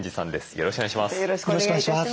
よろしくお願いします。